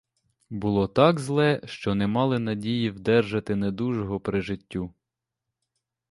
Було так зле, що не мали надії вдержати недужого при життю.